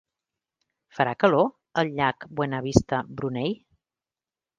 Farà calor al llac Buena Vista Brunei?